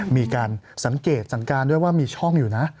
มีการสังเกตสันการด้วยว่ามีช่องอยู่นะ